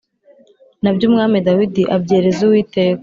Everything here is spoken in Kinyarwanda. Na byo Umwami Dawidi abyereza Uwiteka